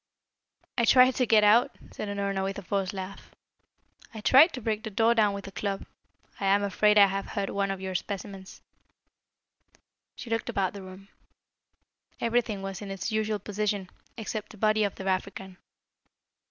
"I tried to get out," said Unorna with a forced laugh. "I tried to break the door down with a club. I am afraid I have hurt one of your specimens." She looked about the room. Everything was in its usual position, except the body of the African.